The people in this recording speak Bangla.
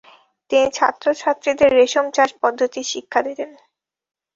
তিনি ছাত্রছাত্রীদের রেশম চাষ পদ্ধতি শিক্ষা দিতেন।